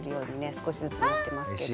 少しずつなってますけど。